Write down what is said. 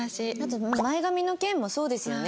前髪の件もそうですよね。